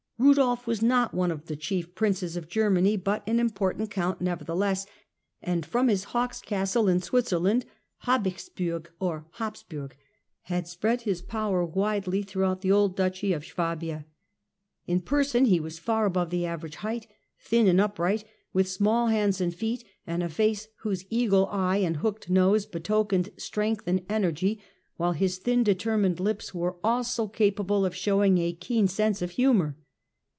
Kudolf was not one of the chief Princes of Germany, but an important Count nevertheless, and from his Hawk's Castle in Switzerland (Habichtsburg or Habsburg) had spread his power widely throughout the old Duchy of Swabia. In person he was far above the average height, thin and upright, with small hands and feet, and a face whose eagle eye and hooked nose l)etokened strength and energy, while his thin deter mined lips were also capable of showing a keen sense of humour.